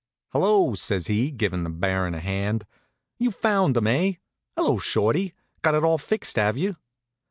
"Hello!" says he, givin' the Baron a hand. "You found him, eh? Hello, Shorty. Got it all fixed, have you?"